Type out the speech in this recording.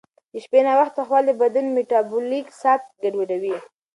شپې ناوخته خوړل د بدن میټابولیک ساعت ګډوډوي.